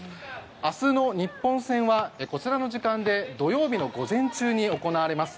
明日の日本戦は、こちらの時間で土曜日の午前中に行われます。